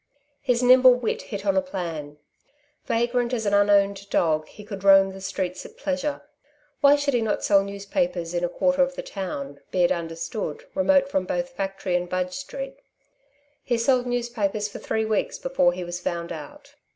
His nimble wit hit on a plan. Vagrant as an unowned dog, he could roam the streets at pleasure. Why should he not sell newspapers in a quarter of the town, be it understood, remote from both factory and Budge Street? He sold newspapers for three weeks before he was found out.